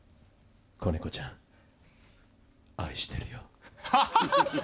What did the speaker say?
子猫ちゃん愛してるよ。ハハハ。